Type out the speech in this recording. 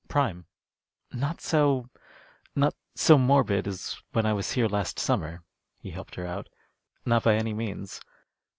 "Prime." "Not so " "Not so morbid as when I was here last summer," he helped her out. "Not by any means.